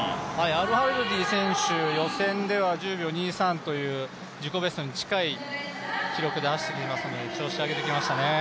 アルハルディ選手、予選では１０秒２３という自己ベストに近い記録で走ってきましたので、調子上げてきましたね